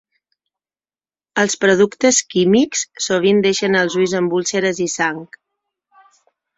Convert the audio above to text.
Els productes químics sovint deixen els ulls amb úlceres i sang.